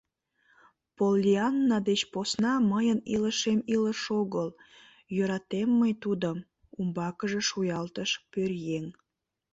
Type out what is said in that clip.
— Поллианна деч посна мыйын илышем илыш огыл, йӧратем мый тудым, — умбакыже шуялтыш пӧръеҥ.